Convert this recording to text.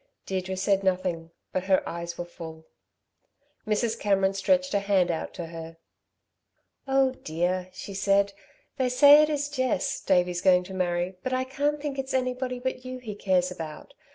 Deirdre said nothing, but her eyes were full. Mrs. Cameron stretched a hand out to her. "Oh, dear," she said, "they say it is Jess, Davey's going to marry, but I can't think it's anybody but you he cares about.